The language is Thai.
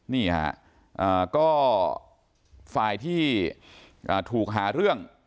นี่ฮะก็ฝ่ายที่ถูกหาเรื่อง